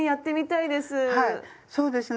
そうですね